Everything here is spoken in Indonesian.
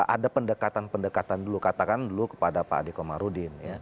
ada pendekatan pendekatan dulu katakan dulu kepada pak adeko marudin